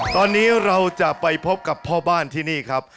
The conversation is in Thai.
ตอนนี้เราจะไปพบกับพ่อบ้านที่นี่ครับ